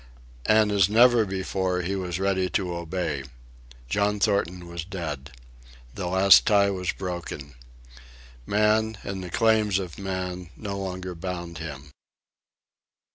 And as never before, he was ready to obey. John Thornton was dead. The last tie was broken. Man and the claims of man no longer bound him.